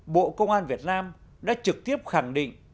bộ công an việt nam đã trực tiếp khẳng định